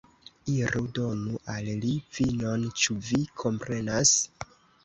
Iru, donu al li vinon, ĉu vi komprenas?